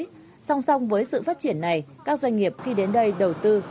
song song với sự phát triển này các doanh nghiệp khi đến đây đầu tư